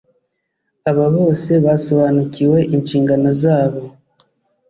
Aba bose basobanuriwe inshingano zabo